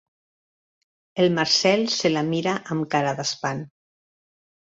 El Marcel se la mira amb cara d'espant.